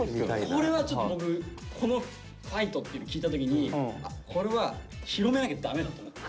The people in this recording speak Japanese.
これはちょっと僕この「ファイト」って聞いた時にこれは広めなきゃ駄目だと思って。